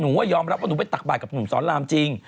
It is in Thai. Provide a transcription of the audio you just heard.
ว่ายอมรับว่าหนูไปตักบาดกับหนุ่มสอนรามจริง